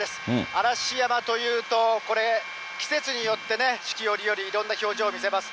嵐山というと、これ、季節によってね、四季折々、いろんな表情を見せます。